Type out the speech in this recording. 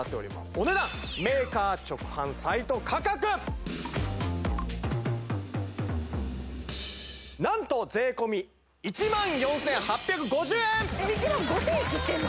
お値段メーカー直販サイト価格なんと税込１万５０００円切ってんの！？